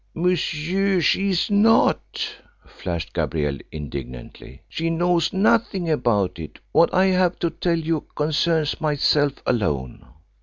"Monsieur, she is not!" flashed Gabrielle indignantly. "She knows nothing about it. What I have to tell you concerns myself alone."